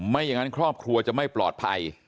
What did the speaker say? ไม่อย่างนั้นครอบครัวจะไม่ปลอดภัย